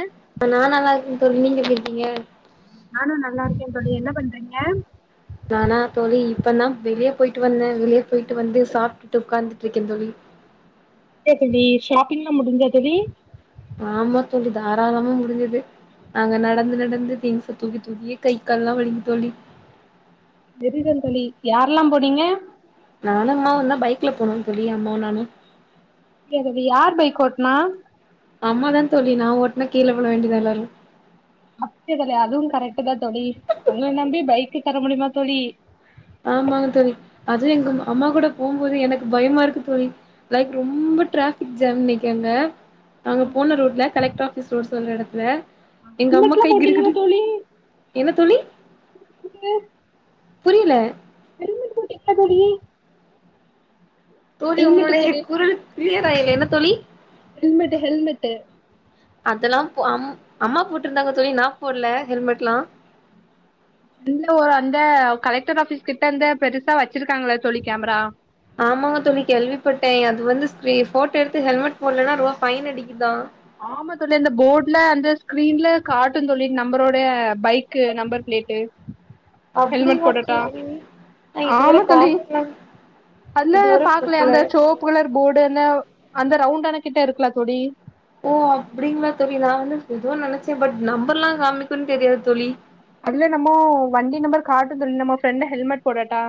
ஆ அ நா நல்லா இருக்க தோழி நீங்க ஏப்டி இருக்கீங்க நானு நல்லாருக்கேன் தோழி என்ன பண்றீங்க நானா தோழி இப்பந்தான் வெளிய போய்ட்டு வந்தன் வெளிய போயிட்டு வந்து சாப்ட்டுட்டு ஒக்காந்துட்ருக்கேன் தோழி கே தோழி ஷாப்பிங்லாம் முடிஞ்சா தோழி ஆமா தோழி தாராளமா முடிஞ்சுது நாங்க நடந்து நடந்து திங்க்ச தூக்கி தூக்கியே கை கால்லா வலிக்குது தோழி விருதந்தோழி யாரல்லாம் போனீங்க நானும் அம்மாவுந்தான் பைக்ல போனோந் தோழி அம்மாவு நானு இல்ல தோழி யார் பைக்கோட்னா அம்மாதாந் தோழி நா ஒட்னா கீழ விழ வேண்டிதா எல்லாரு அப்டி கடயாது அதுவு கரெக்டுதா தோழி இப் ஒங்கள நம்பி பைக்கு தர முடிமா தோழி ஆமாங்க தோழி அது எங்கம்மாகொட போம்போது எனக்கு பயமாருக்கு தோழி லைக் ரொம்ப டிராஃபிக் ஜாம் இன்னக்கங்க நாங்க போன ரோட்ல கலெக்ட்ராஃபீஸ் ரோடு் சொல்ற எடத்துல எங்கம்மா ஹெல்மெட்லா கை போட்டீங்களா கிடுகிடு தோழி என்ன தோழி இங்கு புரியல ஹெல்மெட் போட்டீங்ளா தோழி தோழி ஹெல்மெட்டு ஒங்களுடைய தோழி குரல் க்ளியராயிலே என்ன தோழி ஹெல்மெட்டு ஹெல்மெட்டு அதலாம் அம் அம்ம போட்ருந்தாங்க தோழி நா போட்ல ஹெல்மெட்லா இல்ல ஒரு அந்த கலெக்டர் ஆபீஸ் கிட்ட அந்த பெருசா வச்சிருக்காங்கள தோழி கேமரா ஆமாங்க தோழி கேள்விப்பட்டேன் அது வந்து ஸ்க்ரீ ஃபோட்டோ எடுத்து ஹெல்மெட் போட்லனா ருபா ஃபைனடிக்குதா ஆமா தோழி அந்த போட்ல அந்த ஸ்க்ரீன்ல காட்டுந் தோழி நம்பரோடேய பைக்கு நம்பர் ப்ளேட்டு அப்டியா தோழி நா இதுவர ஆமா தோழி பாக்லங் அதுல பாக்கலையா அந்த சோப்பு கலர் போர்டுந்த அந்த ரவுண்டானா கிட்ட இருக்குல தோழி ஓ அப்டிங்களா தோழி நா வந்து எதுவு நெனச்ச பட் நம்பர்லா காமிக்குன்னு தெரியாது தோழி அதுல நம்மோ வண்டி நம்பர் காட்டுது நம்ம ஃப்ரெண்ட் ஹெல்மெட் போடட்டா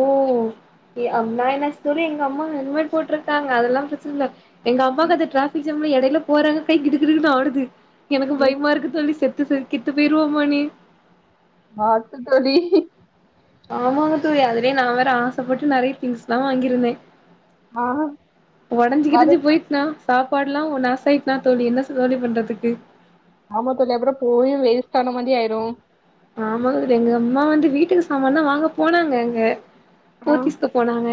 ஓ அம்மா என்னாச்சு தோழி எங்க அம்மா ஹெல்மெட் போட்டுருக்காங்க அதெல்லா பிரச்சன இல்ல எங்க அம்மாக்கு அது டிராஃபிக் ஜாம்ல எடையில போறாங்க கை கிடுக்கிடுன்னு ஆடுது எனக்கு பயமா இருக்கு தோழி செத்து செ கித்து போயிருவோமேனு பாத்து தோழி ஆமாங்க தோழி அதுலே நா வேற ஆசப்பட்டு நறைய திங்ஸ்லா வாங்கியிருந்தே ஆ ஒடஞ்சு பாரு கிடஞ்சு போய் னா சாப்பாட்லா ஒன் நாசாயிட்னா தோழி என்ன தோழி பண்றதுக்கு ஆமா தோழி அப்புறம் போயு வேஸ்ட்டான மாரி ஆயிரும் ஆமாங்க தோழி எங்க அம்மா வந்து வீட்டுக்கு சாமா தா வாங்க போனாங்க அங்க ஆ போத்தீஸ் போனாங்க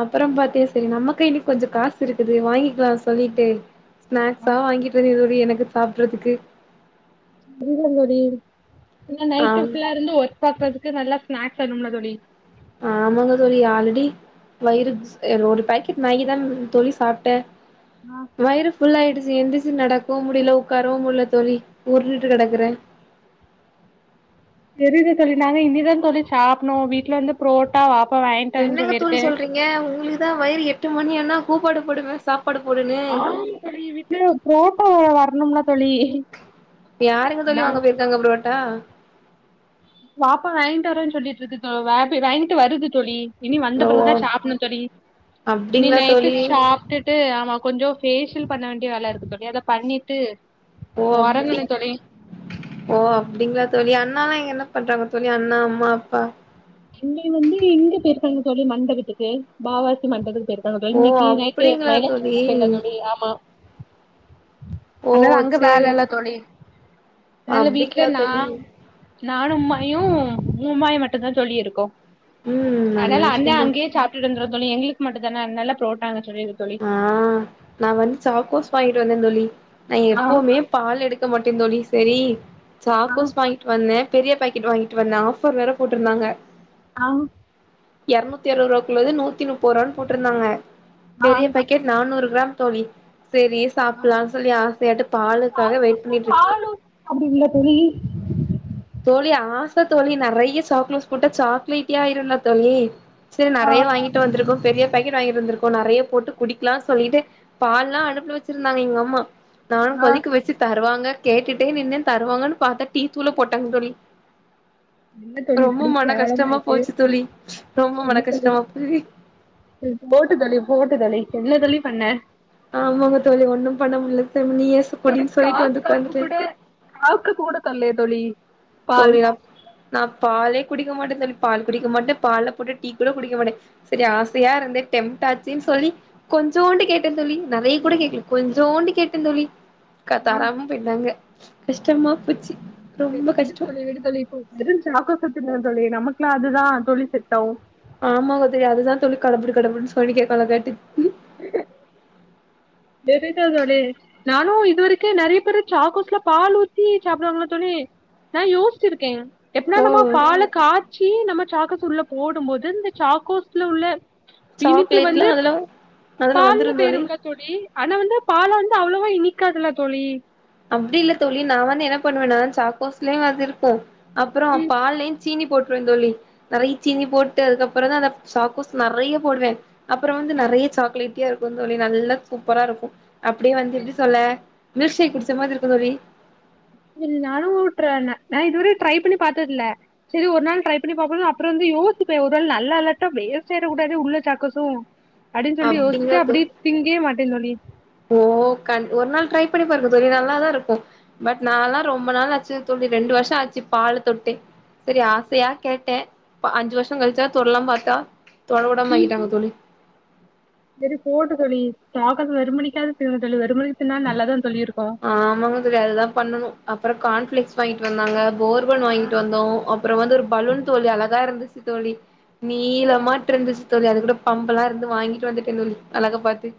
அப்றோ பாத்தே செரி நம்ம கைலியு கொஞ்ச காசு இருக்குது வாங்கிக்கலா சொல்லிட்டு ஸ்நாக்ஸா வாங்கிட்டு இருந்தே தோழி எனக்கு சாப்புட்றதுக்கு இல்ல தோழி இல்ல ஆ நைட்டு ஃபுல்லா இருந்து ஒர்க் பாக்குறதுக்கு நல்லா ஸ்நாக்ஸ் வேணும்ல தோழி ஆமாங்க தோழி ஆல்ரடி வயிறு சே ஒரு பேக்கெட் மேகி தா தோழி சாப்ட்ட ஆ வயிறு ஃபுல்லாயிடுச்சு எந்திருச்சு நடக்கவு முடில உக்காரவு முடில தோழி ஊருண்டுட்டு கெடக்குற தெரில தோழி நாங்க இனிதா தோழி சாப்னோ வீட்ல இருந்து புரோட்டா வாப்பா வாங்கிட்டு வரேன்னு சொல்லிருக்கு ஏ உங்களுக்கு தா வயிறு எட்டு மணி ஆனா கூப்பாடு போடுமே சாப்பாடு போடுன்னு இல்ல புரோட்டா வரணும்ல தோழி யாருங்க தோழி நாங் வாங்க போயிருக்காங்க புரோட்டா வாப்பா வாங்கிட்டு வரேன்னு சொல்லிட்டு இருக்கு வாங்கிட்டு வருது தோழி இனி வந்த ஓ பிறகுதா சாப்பட்ணு தோழி இனி அப்டிங்களா நைட்டு தோழி சாப்ட்டுட் ட்டு ஆமா கொஞ்சோ ஃபேஷியல் பண்ண வேண்டிய வேல இருக்கு தோழி அத பண்ணிட்டு ஓ அப்டி ஒறங்கணு தோழி ஓ அப்டிங்களா தோழி அண்ணா இங்க என்ன பண்றாங்க தோழி அண்ணா அம்மா அப்பா அண்ணேன் வந்து இங்க போயிருக்காங்க தோழி மண்டபத்துக்கு பாவாசி மண்டபத்துக்கு பேரு ஓ இன்னைக்கு நைட்டு அப்டிங்களா தோழி மைலன்ஞ்சு தோழி ஆமா ஓ அதனால அங்க சேரி வேல இல்ல தோழி அதனால்ல வீட்லே அப்டிங்களா நா தோழி நானு உம்மாயு‌ ஊம்மாய் மட்டு தா தோழி இருக்கோ ம் நல்ல அதனால அண்ண விஷயம் தோழி அங்கே சாப் தோழி எங்களுக்கு மட்டு தான அதனால புரோட்டா வாங்க சொல்லிருக்கு தோழி ஆ நா வந்து சாக்கோஸ் வாங்கிட்டு வந்த தோழி நா ஆ எப்பவுமே பால் எடுக்க மாட்டே தோழி செரி ஆ சாக்கோஸ் வாங்கி வந்த பெரிய பேக்கட் வாங்கிட்டு வந்த ஆஃபர் வேற போட்டிருந்தாங்க அவு எரநூத்தி அறுவது ருவாக்குள்ளது நூத்தி முப்பது ரூவான்னு போட்ருந்தாங்க ஆ பெரிய பக்கெட் நானூறு கிராம் தோழி பெரியஸ் சாப்பலான் சொல்லி ஆசையாட்டு பாலுக்காக வெயிட் சாக்கோஸ்ல பண்ணிட்டு இருக் பால் ஊத் தோழி ஆச தோழி நறையா சாக்லோஸ் போட்டா சாக்லேட்டியா ஆயிரும்ல தோழி செரி நறையா வாங்கிட்டு வந்திருக்கோ பெரிய பேக்கெட் வாங்கிட்டு வந்திருக்கோ நறய போட்டு குடிக்கலான் சொல்லிட்டு பால்லா அனுப்புல வச்சிருந்தாங்க எங்க அம்மா நானூ ஆ கொதிக்க வச்சு தர்வாங்க கேட்டுட்டே நின்னே தர்வாங்கன்னு பார்த்தே டீ தூள போட்டாங்க தோழி என்ன தோழி ரொம்ப இப்டி மன கஷ்டமா கேவலமாயிட்டு போச்சு தோழி ரொம்ப மன என்ன தோழி கஷ்டமா போட்டு தோழி போட்டு தோழி என்ன தோழி பண்ண ஆமாங்க தோழி ஒண்ணூ பண்ண முட்ல தோழி நீயே ஏசக்கேடின் சொல்லிட்டு வந்துட் உக்காந்துட்டே ஆக்க கூட தர்ல்லியா தோழி பால் தோழி நாப் நா பாலே குடிக்க மாட்டே தோலி பால் குடிக்க மாட்டே பால் போட்டு டீ கூட குடிக்க மாட்டே சரி ஆசையா இருந்தே டெம்டாச்சின் சொல்லி கொஞ்சோண்டு கேட்டே தோழி நறைய கூட கேக்கல கொஞ்சோண்டு கேட்டே தோழி கா ஆ தராம போய்ட்டாங்க கஷ்டமா போச்சு சரி ரொம்ப விடு கஷ் தோழி விடு தோழி இப்போ திடீர்ன் சாக்கோபா தின்னுங்க தோழி நமக்கெல்லா அதுதா தோழி செட் ஆகோ ஆமாங்க தோழி அதுதா தோழி கடபுட கடபடன்னு சொல்லி கேட்காதாங் காட்டி டோஃபென்ட்டா தோழி நானூ இதுவரைக்கூ நறைய பேரு சாக்கோஸ்ல பால் ஊத்தி சாப்பிடுவங்களா தோழி நா யோசிச்சிருக்கே எப்பட்னா ஓ நம்ம பால காய்ச்சி நம்ம சாக்கோஸ் உள்ள போடும்போது இந்த சக்கோஸ்ல உள்ள இனிப்பு சாக்லேட்லா வந்து அதெல்லா அதுல பால்ல வந்துரு தோழி போய்ரும்ல தோடி ஆனா வந்து பால்ல வந்து அவ்வளவா இனிக்காதுல்ல தோழி அப்படி இல்ல தோழி நா வந்து என்ன பண்ணுவே நா சாக்கோஸ்லயூ அதுருக்கூ அப்புறோ ம் பால்லயூ சீனி போட்டுருவேன் தோழி நறைய சீனி போட்டு அதுக்கப்புறம் தான் அந்த சாக்கோஸ் நறைய போடுவே அப்புறோ வந்து நறய சாக்லேட்டியா இருக்கூ தோழி நல்லா சூப்பரா இருக்கூ அப்படியே வந்து எப்படி சொல்ல மில்க் ஷேக் குடிச்ச மாதிரி இருக்கோ தோழி இர்தாலூ ட்ரா நா இதுவரையூ ட்ரை பண்ணி பா்த்ததுல சரி ஒரு நாள் ட்ரை பண்ணி பாப்போ அப்புறோ வந்து யேசிப்பெ ஒரு வேல நல்லா இல்லாட்டா வேஸ்ட் ஆயிட கூடாதெ உள்ள சாக்கோசூ அப்டின் சொல்லி அப்டிங்க யோசிச்சிட்டு தோ அப்படியே திங்க மாட்டே தோழி ஓ கான் ஒரு நாள் ட்ரை பண்ணி பாருக்க தோழி நல்லாதா இருக்கூ பட் நால்லா ரொம்ப நாள் ஆச்சுங்க தோழி ரெண்டு வருஷோ ஆச்சு பாலேதொட்டோ சரி ஆசையா கேட்டே அஞ்சு வருஷொ கழிச்சிதா தெட்லா பார்த்தா தெ விடாம ஆக்கிட்டாங்க தோழி சேரி போட்டூ தோழி சாக்கோஸ் வெறுமணிக்காத திங்கனோ தோழி வெறுமணிக்கு தின்னா நல்லாதா தோழி இருக்கூ ஆமாங்க தோழி அதுதா பண்ணனும் அப்புறோ கான்ஃபிளிக்ஸ் வாங்கிட்டு வந்தாங்க போர்பன் வாங்கிட்டு வந்தோ அப்புறோ வந்து ஒரு பலூன் தோழி அழகா இருந்துச்சு தோழி நீளமாட் இருந்துச்சு தோழி அது கூட பம்பெல்லா இருந்து வாங்கிட்டு வந்துட்டே தோழி அழகா பா்த்து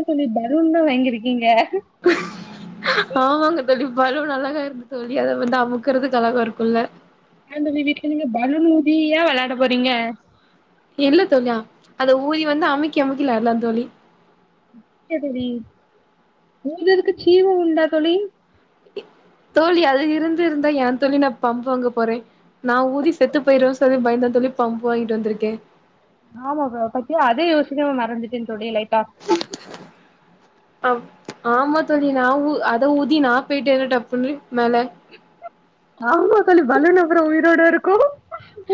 என்ன தோழி பலூன்லா வாங்கிருக்கீங்க ஆமாங்க தோழி பலூன் அழகா இருந் தோழி அத வந்து அமுக்குறதுக்கு அழக இருக்குல்ல ஆ தோழி வீட்ல நீங்க பலூன் ஊதியா வெளாட போறீங்க இல்ல தோழியா அத ஊதி வந்து அமுக்கி அமுக்கி வெளாட்லா தோழி எதூடி நீங்க அதுக்கு ஜீ ஓ உண்டா தோழி இ தோழி அது இருந்து இருந்தா ஏ தோழி நா பம்பு வாங்க போறே நா ஊதி செத்து போயிருவே சொல்லி பயந்தா தோழி பம்பு வாங்கிட்டு வந்திருக்கே ஆமா பா பத்தியா அதே யோசிக்காம மறந்துட்டே தோழி லைட்டா ஆ ஆமா தோழி நா ஊ அத ஊதி நா போயிட்டேனா ட்ப்புனு மேல ஆமா தோழி பலூன் அப்பறோ உயிரோட இருக்கு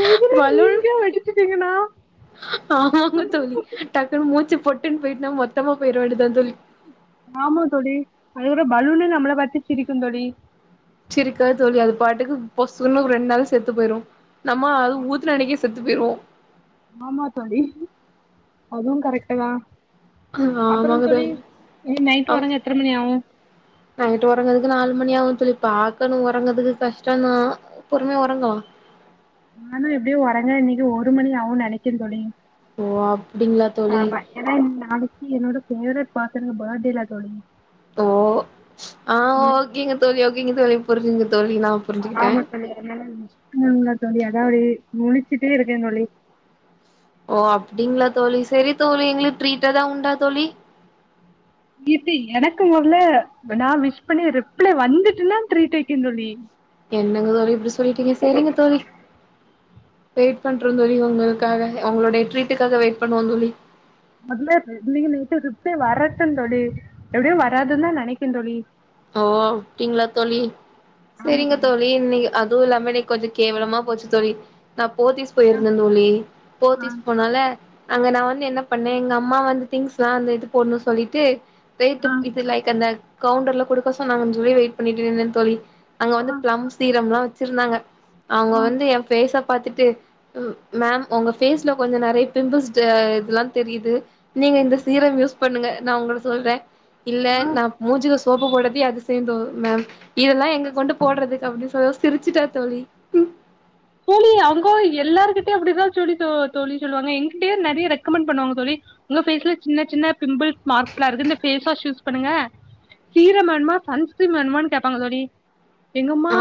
ஊதுன பலூன் நீங்க வெடிச்சிட்டீங்கனா ஆமாங்க தோழி டக்குன்னு மூச்சு பொட்டுன்னு போயிட்டுனா மொத்தமா போயிட வேண்டிதா தோழி ஆமா தோழி அதோட பலூனே நம்மள பாத்துசிரிக்கு தோழி சிரிக்கா தோழி அது பாட்டுக்கு பொஸ்சுன்னு ரெண்டு நாள்ல செத்து போயிரு நம்ம அது ஊதுன அன்னிக்கே செத்து போய்ருவோ ஆமா தோழி அதுவு கரெக்ட்டு தா அப்பறோ தோழி நீ நைட்டு அ ஒறங்க எத்தன மணி ஆவு நைட்டு ஒறங்கறதுக்கு நாலு மணி ஆகு தோழி பாக்கணு ஒறங்கறதுக்கு கஷ்ட தா பொறுமையா ஒறங்குவோ நானு எப்டியு ஒறங்க இன்னைக்கி ஒரு மணி ஆவுனு நெனைக்கிறே தோழி ஓ அப்டிங்களா தோழி ஏனா நாளைக்கி என்னோட ஃபேவரைட் பசங்க பர்த்டே ல தோழி ஓ ஆ ஓகேங்க தோழி ஓகேங்க தோழி புரியுதுங்க தோழி நா புரிஞ்சுக்கிட்டே ஆமா தோழி அதனால விஷ் பண்ணணுல தோழி அதா அப்டியே முழிச்சிட்டே இருக்கே தோழி ஓ அப்டிங்களா தோழி செரி தோழி எங்களுக்கு ட்ரீட்டு எதா உண்டா தோழி ட்ரீட்டு எனக்கு மொதல நா விஷ் பண்ணி ரிப்ளை வந்துட்டுனா ட்ரீட் வக்கே தோழி என்னங்க தோழி இப்டி சொல்லிட்டீங்க செரிங்க தோழி வெயிட் பண்றே தோழி உங்களுக் காக உங்களுடைய ட்ரீட்டுக்காக வெயிட் பண்ணுவே தோழி மொதல்ல த இன்னைக்கி நைட்டு ரீப்ளே வரட்டு தோழி எப்டியு வராதுன்னு தா நெனைக்கே தோழி ஓ அப்டிங்களா தோழி செரிங்க தோழி நீங்க அதுவு இல்லாம இன்னைக்கி கொஞ்சோ கேவலமா போச்சு தோழி நா போத்தீஸ் போயிருந்தே தோழி போத்தீஸ் போனால அங்க நா வந்து என்ன பண்ணே எங்க அம்மா வந்து திங்ஸ் ல்லா அந்த இது போடணுனு சொல்லிட்டு போய்ட்டு இது லைக் அந்த கவுண்டர்ல குடுக்க சொன்னாங்கன்னு சொல்லி வெயிட் பண்ணிட்டு இருந்தே தோழி அங்க வந்து பிளம் சீரம் ல்லா வச்சிருந்தாங்க அவுங்க ஆ வந்து எ ஃபேஸ பாத்துட்டு ம் மேம் உங்க ஃபேஸ்ல கொஞ்சோ நெறைய பிம்பிள்ஸ் த இதெல்லா தெரியுது நீங்க இந்த சீரம் யூஸ் பண்ணுங்க நா உங்கள சொல்றே இல்ல நா மூஞ்சிக்கு சோப்ப போட தி அதிசயோ தோ மேம் இதெல்லா எங்க கொண்டு போடுறதுக்கு அப்டின்னு சொல்ல சிரிச்சுட்டா தோழி தோழி அவுங்கோ எல்லாருகிட்டையு அப்டிதா சொல்லி தோ தோழி சொல்லுவாங்க எங்கிட்டயே நெறைய ரெக்கமெண்ட் பண்ணுவாங்க தோழி உங்க ஃபேஸ்ல சின்ன சின்ன பிம்பிள்ஸ் மார்க்ஸ் ல்லா இருக்கு இந்த ஃபேஸ் வாஷ் யூஸ் பண்ணுங்க சீரம் வேணுமா சன்ஸ்க்கிரீம் வேணுமான்னு கேப்பாங்க தோழி எங்கம்மா ஆ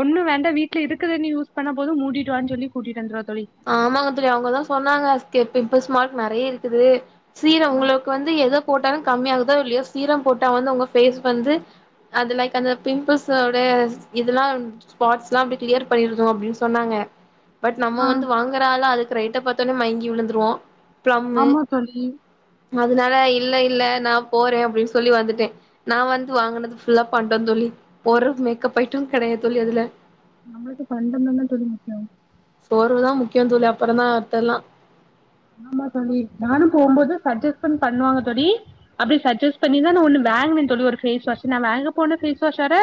ஒண்ணு வேண்டா வீட்ல இருக் குறத யூஸ் பண்ணா போது மூடிட்டுவான்னு சொல்லி கூட்டிட்டு வந்துருவா தோழி ஆமாங்க தோழி அவுங்கதா சொன்னாங்க ஸ்கே பிம்பிள்ஸ் மார்க் நெறைய இருக்குது சீரம் உங்களு க்கு வந்து எத போட்டாலு கம்மியாகுதோ இல்லையோ சீரம் போட்டா வந்து உங்க ஃபேஸ் வந்து அது லைக் அந்த பிம்பிள்ஸோட இதெல்லா ஸ்பார்ட்ஸ்லா அப்டி கிளியர் பண்ணிருந்தோ அப்டின்னு சொன்னாங்க பட் நம்ம ஆ வந்து வாங்குறா ஆளா அதுக்கு ரேட்டை பாத்தோனே மயங்கி விழுந்துருவோ பிளம்மு ஆமா தோழி அதனால இல்ல இல்ல நா போறே அப்டின்னு சொல்லி வந்துட்டே நா வந்து வாங்கனது ஃபுல்லா பண்டம் தோழி ஒரு மேக்கப் ஐட்டம் கெடையாது தோழி அதுல நம்பளுக்கு பண்டமெல்லாம் தோழி முக்கியம் சோருதா முக்கியம் தோழி அப்புறம் தா மத்தெல்லா ஆமா தோழி நானும் போம்போது சஜஸ்பன் பண்ணுவாங்க தோழி அப்டி சஜெஸ் பண்ணிதா நான் ஒன்னு வாங்கனன் தோழி ஒரு ஃபேஸ் வாஷ் நான் வாங்க போன ஃபேஸ் வாஷ் ஓட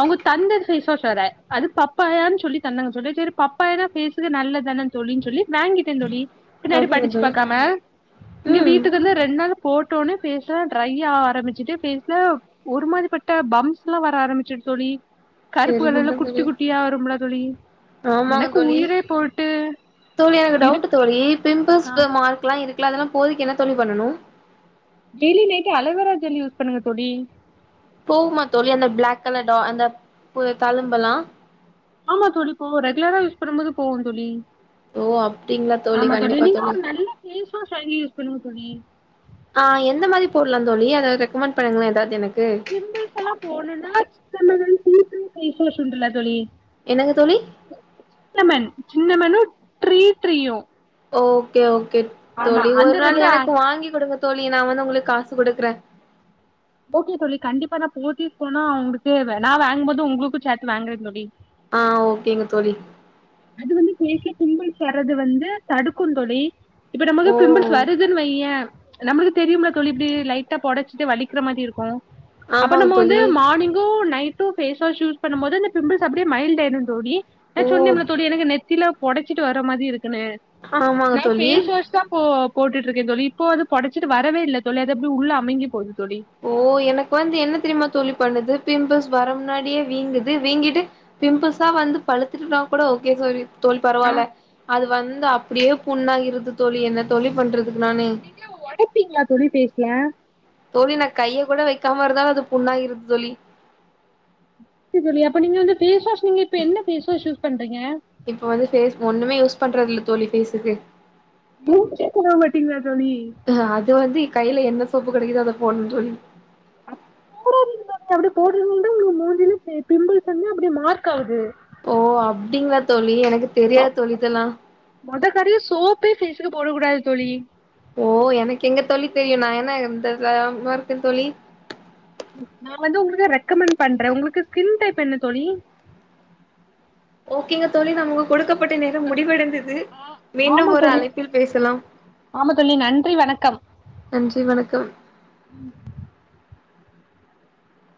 அவுங்க தந்தது ஃபேஸ் வாஷ் வேற அது பப்பாயான் சொல்லி தந்தாங்க தோழி செரி பப்பாயானா ஃபேஸ்க்கு நல்லது தான தோழின் சொல்லி வாங்கிட்டேன் தோழி பின்னாடி ஓகேங்க படிச்சி தோழி பாக்காம இங்க ம் வீட்டுக்கு வந்து ரெண்டு நாள் போட்டோன்னே ஃபேஸ்லா ட்ரை ஆரம்பிச்சிட்டு ஃபேஸ்ல ஒரு மாரி பட்டா பம்ஸ்லா வர ஆரம்பிச்சிரும் தோழி கருப்பு கலருள சரிங்க குட்டி தோழி குட்டியா வரும் இல்ல தோழி ஆமாங்க எனக்கு தோழி உயிரே போயிட்டு தோழி எனக்கு இருக்கு டவுட்டு தோழி பிம்பிஸ் நா மார்க்கெலா இருக்குல்ல அதலாம் போறதிக்கு என்ன தோழி பண்ணணும் daily night aloe vera gel use பண்ணுங்க தோழி போவுமா தோழி அந்த பிளாக் கலர் டா அந்த தலும்பெல்லா ஆமா தோழி போவு ரெகுலரா யூஸ் பண்ணும்போது போவும் தோழி ஓ அப்டிங்களா ஆமா தோழி கண்டிப்பா நீங்களும் ஒரு நல்ல பேஸ் வாஷ் ஷைலி யூஸ் பண்ணுங்க தோழி ஆ எந்த மாரி போடலா தோழி அத ரெக்கமெண்ட் பண்ணுங்களன் எதாவது எனக்கு பிம்பிள்ஸ் எல்லாம் போனுனா [unintelligible] ஃபேஸ் வாஷ் உண்டு இல்ல தோழி என்னங்க தோழி சின்னமன் சின்னமனு த்ரீ த்ரீயு ஓகே ஓகே தோழி ஒரு அந்த நாள் எனக்கு ஆட் வாங்கி குடுங்க தோழி நான் வந்து உங்களுக்கு காசு குடுக்கறன் ஓகே தோழி கண்டிப்பா நான் போத்திஸ் போனா உங்களுக்கு வே நா வாங்கும் போதும் உங்களுக்கும் சேத்து வாங்கறன் தோழி ஆ ஓகேங்க தோழி அது வந்து பேஸ்ல பிம்பிள்ஸ் வறது வந்து தடுக்கும் தோழி இப்ப நமக்கு ஓ பிம்பிள்ஸ் வரு துன்‌ வையன் நம்பளுக்கு தெரியும்ல தோழி இப்டி லைட்டா பொடச்சிட்டு வலிக்கிற மாரி இருக்கும் அப்ப ஆமாங்க நம்ம வந்து தோழி மார்னிங்கும் நைட் டும் பேஸ் வாஷ் யூஸ் பண்ணமோது இந்த பிம்பள்ஸ் அப்டே மைல்டு ஆயிடும் தோழி நா ஓ சொன்னமில்ல எனக்கு நெத்தில பொடைச்சிட்டு வர மாதிரி இருக்குன்னு ஆமாங்க நா தோழி பேஸ் வாஷ் தா இப்போ போட்டுட்டு இருக்கேன் தோழி இப்போ அது பொடச்சிட்டு வரவே இல்ல தோழி அது அப்டி உள்ள அமிங்கி போது தோழி ஓ எனக்கு வந்து என்ன தெரியுமா தோழி பண்ணுது பிம்பிள்ஸ் வர முன்னாடியே வீங்குது வீங்கிட்டு பிம்பிள்ஸா வந்து பழுத்துட்டுனா கூட ஓகே சரி தோல் ஆ. பரவாயில அது வந்து அப்டியே புண்ணா ஆகிருது தோழி என்ன தோழி பண்றதுக்கு நானு [unintelligible] ஒடப்பீங்களா தோழி பேஸ்ல தோழி நான் கைய கூட வைக்காம இருந்தாலு அது புண்ணாயிருது தோழி ஓகே தோழி அப்ப நீங்க வந்து பேஸ் வாஷ் நீங்க இப்ப என்ன பேஸ் வாஷ் யூஸ் பண்றீங்க இப்ப வந்து பேஸ் ஒன்னுமே யூஸ் பண்றது இல்ல தோழி பேஸ்க்கு அய்யோ கேக்கலா மாட்டீங்களா தோழி ஆ அது வந்து கையில என்ன சோப்பு கெடைக்குதோ அத போடணும் தோழி போடாதீங்கங்க்கா அப்டி போடறதுனால தா உங்களுக்கு மூஞ்சிலா பி பிம்பிள்ஸ் வந்து அப்டே மார்காவுது ஓ அப்டிங்கிளா தோழி எனக்கு தெரியாது தோழி இதெல்லா மொத காரியோ சோப்பே ஃபேஸ்கு போட கூடாது தோழி ஓ எனக்கு எங்க தோழி தெரியும் நான் என்ன இருந்தமா இருக்கன் தோழி நா வந்து உங்களுக்கு ரெக்கமெண்ட் பண்றேன் உங்களுக்கு ஸ்கின் டைப் என்ன தோழி ஓகேங்க தோழி நமக்கு கொடுக்கப்பட்ட நேரம் முடிவடைந்தது மீண்டும் ஆமா ஒரு தோழி அழைப்பில் பேசலாம் ஆமா தோழி நன்றி வணக்கம் நன்றி வணக்கம்